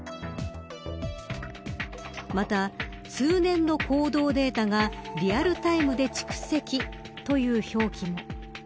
また、通年の行動データがリアルタイムで蓄積という表記も。